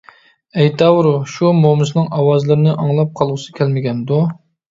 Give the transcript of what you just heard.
ئەيتاۋۇر شۇ مومىسىنىڭ ئاۋازلىرىنى ئاڭلاپ قالغۇسى كەلمىگەندۇ.